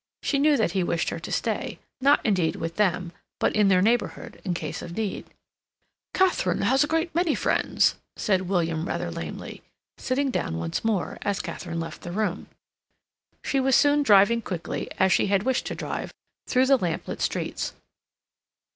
She knew that he wished her to stay, not, indeed, with them, but in their neighborhood, in case of need. "Katharine has a great many friends," said William rather lamely, sitting down once more, as Katharine left the room. She was soon driving quickly, as she had wished to drive, through the lamp lit streets.